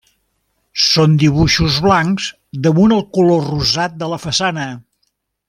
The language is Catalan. Són dibuixos blancs damunt el color rosat de la façana.